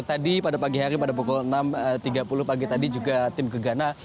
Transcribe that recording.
tadi pada pagi hari pada pukul enam tiga puluh pagi tadi juga tim gegana